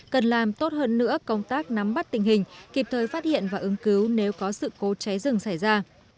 cần làm tốt hơn nữa công tác nắm bắt tình hình kịp thời phát hiện và ứng cứu nếu có sự cố cháy rừng xảy ra